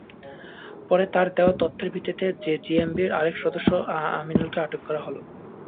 পরে তাঁর দেওয়া তথ্যের ভিত্তিতে জেএমবির আরেক সদস্য আমিনুলকেও আটক করা হয়।